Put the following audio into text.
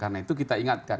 karena itu kita ingatkan